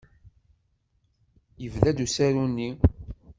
Yebda-d usaru-nni.